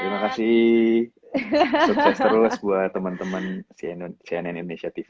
terima kasih sukses terus buat teman teman cnn indonesia tv